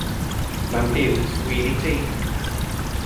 Mae'n biwt, wir i ti.